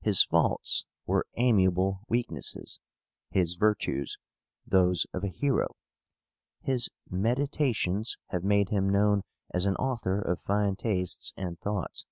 His faults were amiable weaknesses; his virtues, those of a hero. His Meditations have made him known as an author of fine tastes and thoughts.